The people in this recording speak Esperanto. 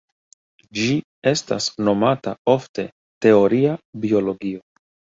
Ĝi estas nomata ofte "Teoria biologio".